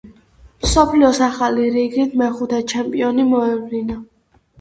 მსოფლიოს ახალი, რიგით მეხუთე ჩემპიონი მოევლინა.